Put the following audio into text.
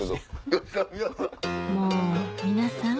もう皆さん！